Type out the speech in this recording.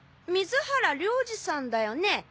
水原良二さんだよね？